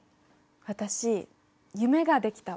私夢ができたわ。